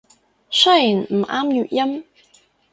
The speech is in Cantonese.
雖然唔啱粵音